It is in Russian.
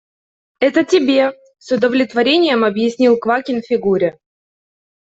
Это тебе, – с удовлетворением объяснил Квакин Фигуре.